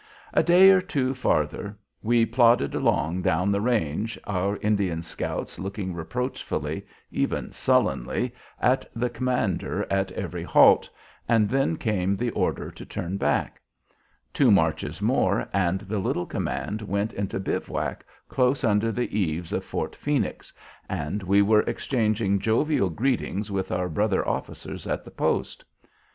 A day or two farther we plodded along down the range, our Indian scouts looking reproachfully even sullenly at the commander at every halt, and then came the order to turn back. Two marches more, and the little command went into bivouac close under the eaves of Fort Phoenix and we were exchanging jovial greetings with our brother officers at the post.